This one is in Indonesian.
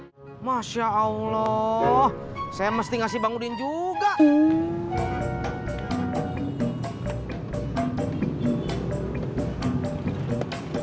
hai masya allah saya mesti ngasih bangudin juga